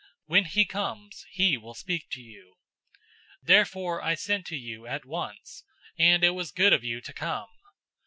When he comes, he will speak to you.' 010:033 Therefore I sent to you at once, and it was good of you to come.